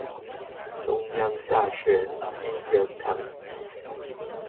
中央大學依仁堂